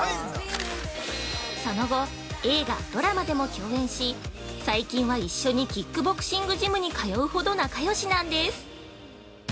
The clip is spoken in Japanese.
その後、映画、ドラマでも共演し最近は、一緒にキックボクシングジムに通うほど仲よしなんです。